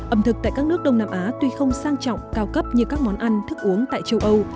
ẩm thực tại các nước đông nam á tuy không sang trọng cao cấp như các món ăn thức uống tại châu âu